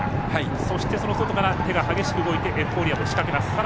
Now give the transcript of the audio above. そして、外から手が激しく動いてエフフォーリアも仕掛けます。